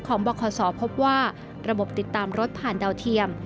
บคศพบว่าระบบติดตามรถผ่านดาวเทียม